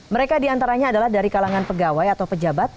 mereka diantaranya adalah dari kalangan pegawai atau pejabat